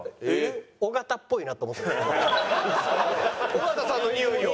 尾形さんのにおいを？